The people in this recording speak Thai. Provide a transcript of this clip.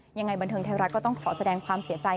ยังไงบันเทิงไทยรัฐก็ต้องขอแสดงความเสียใจ